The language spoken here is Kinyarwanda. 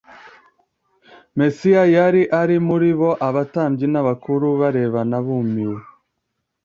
Mesiya yari ari muri bo! Abatambyi n'abakuru barebana bumiwe,